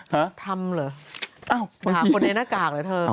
ฮะทำเหรอหาคนในนกากเหรอเธอ